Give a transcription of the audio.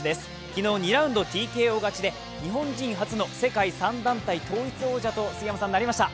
昨日２ラウンドＴＫＯ勝ちで日本人初の世界３団体統一王者となました。